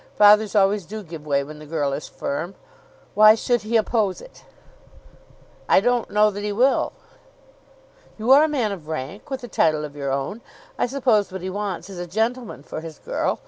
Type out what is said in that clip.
Fathers always do give way when the girl is firm. Why should he oppose it?" "I don't know that he will." "You are a man of rank, with a title of your own. I suppose what he wants is a gentleman for his girl.